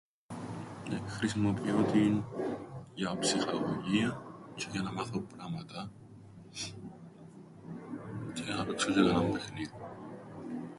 Χρησιμοποιώ την για ψυχαγωγίαν τζ̆αι για να μάθω πράματα. Τζ̆αι για να παίξω τζ̆αι κανέναν παιχνίδιν.